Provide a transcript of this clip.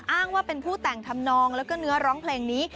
อ้างว่าเป็นผู้แต่งทำนองแล้วก็เนื้อร้องเพลงนี้